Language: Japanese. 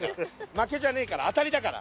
負けじゃねえから当たりだから。